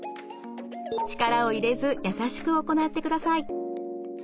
力を入れず優しく行ってください。